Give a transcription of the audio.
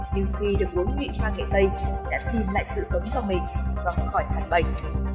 nhưng khi được uống nhụy hoa nghệ tây đã tìm lại sự sống cho mình và khỏi thật bệnh